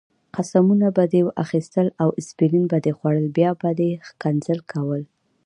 قسمونه به دې اخیستل او اسپرین به دې خوړل، بیا به دې ښکنځل کول.